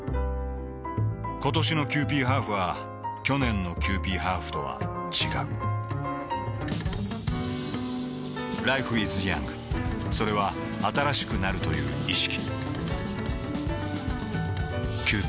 ことしのキユーピーハーフは去年のキユーピーハーフとは違うＬｉｆｅｉｓｙｏｕｎｇ．それは新しくなるという意識